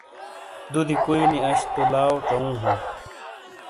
دودی کوئی نی اش تو لاؤ ژوُوں ہوں۔